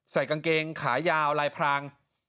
ใส่กางเกงขายาวลายพราง